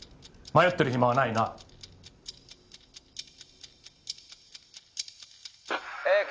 迷ってる暇はないなえ